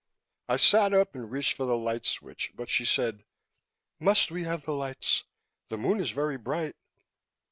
I sat up and reached for the light switch, but she said, "Must we have the lights? The Moon is very bright."